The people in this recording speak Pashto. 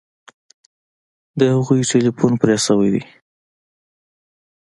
د هغوی ټیلیفون پرې شوی دی